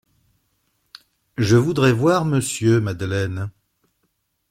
Je voudrais voir monsieur Madeleine.